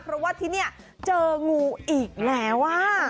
เพราะว่าที่นี่เจองูอีกแล้ว